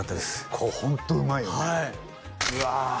これホントうまいよねうわ